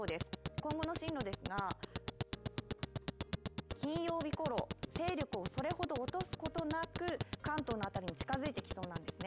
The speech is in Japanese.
今後の進路ですが、金曜日ごろ、勢力をそれほど落とすことなく関東の辺りに近づいてきそうなんですね。